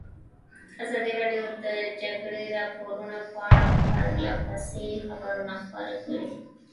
ازادي راډیو د د جګړې راپورونه په اړه پرله پسې خبرونه خپاره کړي.